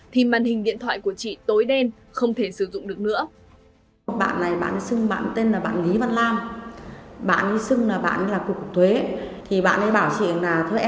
thì màn hình điện thoại của chị tối đen không thể sử dụng được nữa